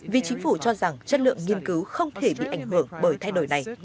vì chính phủ cho rằng chất lượng nghiên cứu không thể bị ảnh hưởng bởi thay đổi này